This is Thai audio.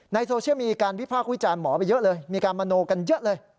โซเชียลมีการวิพากษ์วิจารณ์หมอไปเยอะเลยมีการมโนกันเยอะเลย